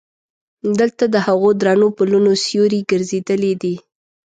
دلته د هغو درنو پلونو سیوري ګرځېدلی دي.